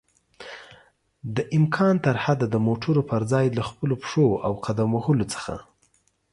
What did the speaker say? دامکان ترحده د موټر پر ځای له خپلو پښو او قدم وهلو څخه